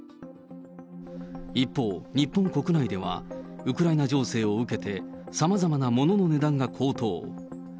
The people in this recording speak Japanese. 一方、日本国内ではウクライナ情勢を受けて、さまざまな物の値段が高騰。